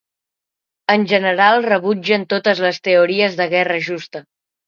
En general rebutgen totes les teories de guerra justa.